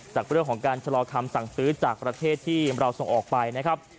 จากเรื่องของการชะลอคำสั่งซื้อจากประเทศที่เราส่งออกไปนะครับ